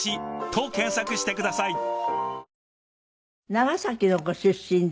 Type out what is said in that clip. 長崎のご出身で。